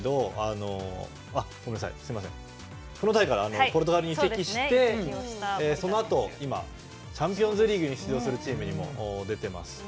フロンターレからポルトガルに移籍してそのあとチャンピオンズリーグに出場するチームにも出ています。